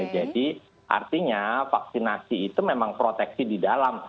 artinya vaksinasi itu memang proteksi di dalam